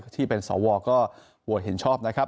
ที่เป็นสอวรเป็นโค้ชทั้งว่าก็โค้ชเห็นชอบ